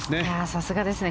さすがですね。